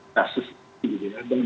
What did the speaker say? jadi itu adalah kasus